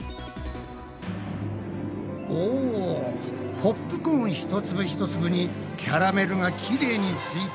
おポップコーン一粒一粒にキャラメルがきれいについて。